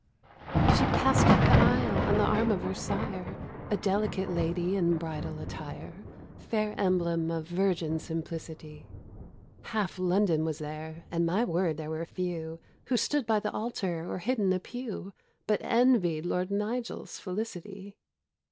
She pass'd up the aisle on the arm of her sire, A delicate lady in bridal attire, Fair emblem of virgin simplicity: Half London was there, and, my word, there were few, Who stood by the altar, or hid in a pew, But envied Lord Nigel's felicity.